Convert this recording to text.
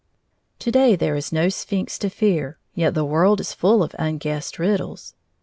To day there is no Sphinx to fear, yet the world is full of unguessed riddles.